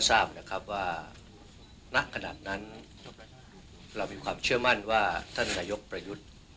ทราบนะครับว่าณขณะนั้นเรามีความเชื่อมั่นว่าท่านนายกประยุทธ์